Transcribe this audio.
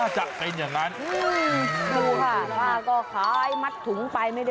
ที่สำคัญ๒๐บาทมันถูกมากเลยอ่ะ